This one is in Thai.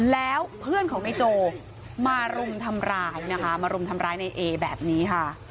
แล้วเพื่อนของนายโจมารุมทำร้ายนะคะมารุมทำร้ายในเอแบบนี้ค่ะ